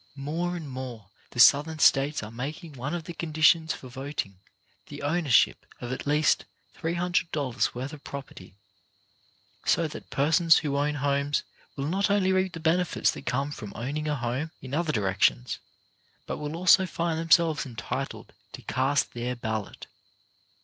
More and more the Southern States are making one of the conditions for voting, the ownership of at least $300 worth of property, so that persons who own homes will not only reap the benefits that come from own ing a home, in other directions, but will also find themselves entitled to cast their ballot.